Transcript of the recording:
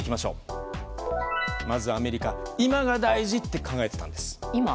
まずアメリカ今が大事と考えていたんです。